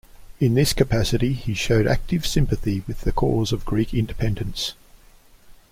In this capacity, he showed active sympathy with the cause of Greek independence.